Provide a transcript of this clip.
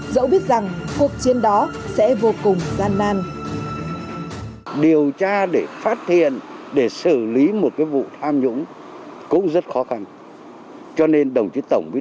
dẫu biết rằng cuộc chiến đó sẽ vô cùng gian nan